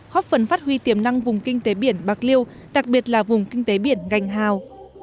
góp phần phát huy tiềm năng vùng kinh tế biển bạc liêu đặc biệt là vùng kinh tế biển gành hào